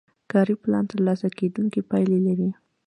کاري پلان ترلاسه کیدونکې پایلې لري.